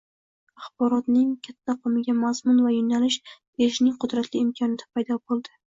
axborotning katta oqimiga mazmun va yo‘nalish berishning qudratli imkoniyati paydo bo‘ldi.